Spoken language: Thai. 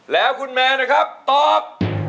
แล้วคุณแมนนะครับตอบ